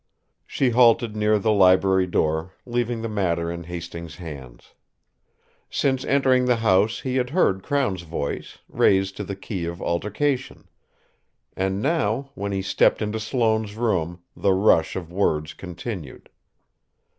She halted near the library door, leaving the matter in Hastings' hands. Since entering the house he had heard Crown's voice, raised to the key of altercation; and now, when he stepped into Sloane's room, the rush of words continued.